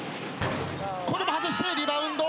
これも外してリバウンド。